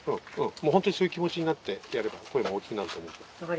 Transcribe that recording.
もう本当にそういう気持ちになってやれば声も大きくなると思うから。